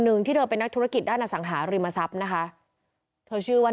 หนึ่งที่เธอเป็นนักธุรกิจด้านอสังหาริมทรัพย์นะคะเธอชื่อว่า